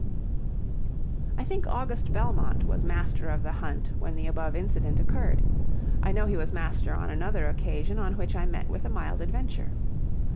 I think August Belmont was master of the hunt when the above incident occurred. I know he was master on another occasion on which I met with a mild adventure.